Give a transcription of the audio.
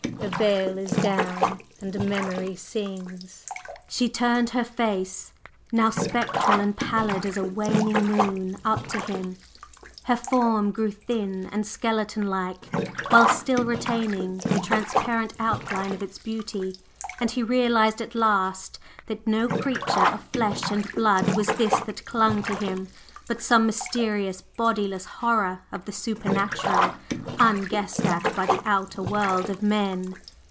the veil is down, and Memory stings!" She turned her face, now spectral and pallid as a waning moon, up to him; her form grew thin and skeleton like, while still retaining the transparent outline of its beauty; and he realized at last that no creature of flesh and blood was this that clung to him, but some mysterious bodiless horror of the Supernatural, unguessed at by the outer world of men!